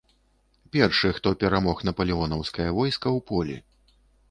Першы, хто перамог напалеонаўскае войска ў полі.